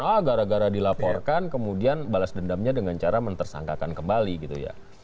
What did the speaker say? oh gara gara dilaporkan kemudian balas dendamnya dengan cara mentersangkakan kembali gitu ya